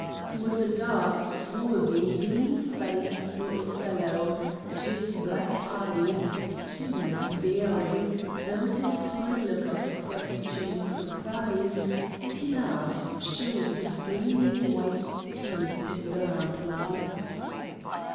He was a dark, swarthy, lean faced, lithe fellow, and his black eyes, keen and daring, noticed my look of questioning surprise, and he laughed, showing his gleaming white teeth in the lamplight.